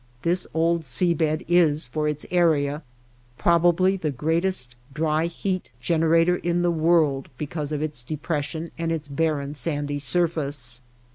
This old sea bed is, for its area, probably the greatest dry heat generator in the world because of its depression and its barren, sandy surface.